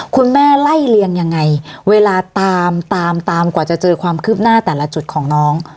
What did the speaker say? คุณแม่ไล่เลียงยังไงเวลาตามตามกว่าจะเจอความคืบหน้าแต่ละจุดของน้อง